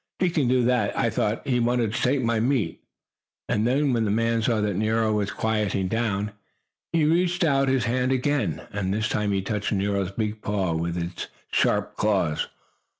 "He can do that. I thought he wanted to take my meat." And then, when the man saw that Nero was quieting down, he reached out his hand again, and this time he touched Nero's big paw, with its sharp claws.